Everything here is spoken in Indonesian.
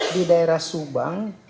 di daerah subang